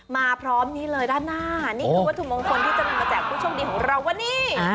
พร้อมนี้เลยด้านหน้านี่คือวัตถุมงคลที่จะนำมาแจกผู้โชคดีของเราวันนี้